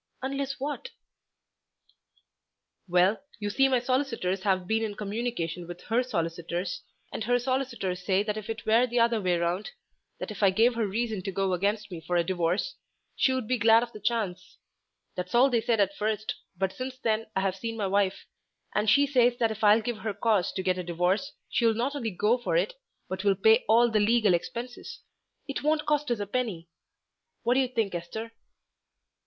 "Unless what?" "Well, you see my solicitors have been in communication with her solicitors, and her solicitors say that if it were the other way round, that if I gave her reason to go against me for a divorce, she would be glad of the chance. That's all they said at first, but since then I've seen my wife, and she says that if I'll give her cause to get a divorce she'll not only go for it, but will pay all the legal expenses; it won't cost us a penny. What do you think Esther?"